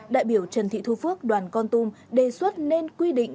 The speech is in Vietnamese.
đại biểu trần thị thu phước đoàn contum đề xuất nên quy định